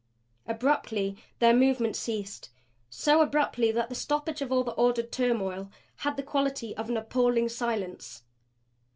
Abruptly their movement ceased so abruptly that the stoppage of all the ordered turmoil had the quality of appalling silence.